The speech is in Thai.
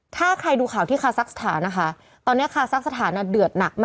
ถ้าใครดูข่าวที่คาซักสถานนะคะตอนนี้คาซักสถานเดือดหนักมาก